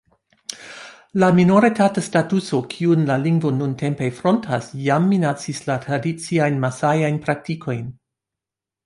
La minoritata statuso kiun la lingvo nuntempe frontas jam minacis la tradiciajn masajajn praktikojn.